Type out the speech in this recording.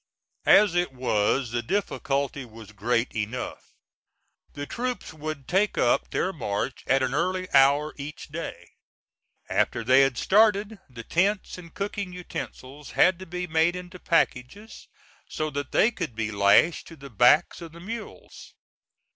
As it was the difficulty was great enough. The troops would take up their march at an early hour each day. After they had started, the tents and cooking utensils had to be made into packages, so that they could be lashed to the backs of the mules.